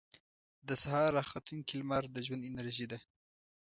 • د سهار راختونکې لمر د ژوند انرژي ده.